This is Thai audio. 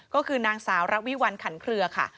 ก็คือนางสาวระวิวัลขันเครือค่ะ